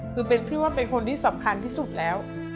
คือพี่ว่าเป็นคนที่สำคัญที่สุดแล้ว